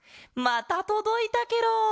またとどいたケロ。